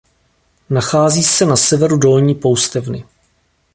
Nachází se na severu Dolní Poustevny.